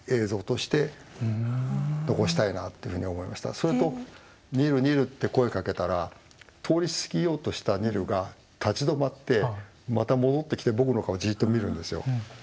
それと「ニルニル」って声かけたら通り過ぎようとしたニルが立ち止まってまた戻ってきて僕の顔じっと見るんですよ。